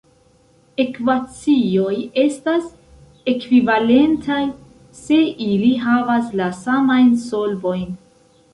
Ekvacioj estas "ekvivalentaj", se ili havas la samajn solvojn.